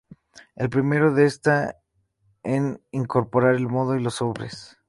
El primero de esta en incorporar el modo y los sobres.